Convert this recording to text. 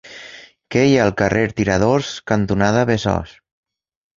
Què hi ha al carrer Tiradors cantonada Besòs?